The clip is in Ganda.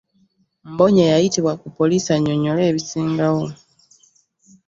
Mbonye yayitibwa ku poliisi annyonnyole ebisingawo